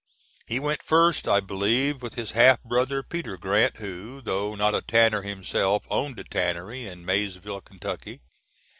He went first, I believe, with his half brother, Peter Grant, who, though not a tanner himself, owned a tannery in Maysville, Kentucky.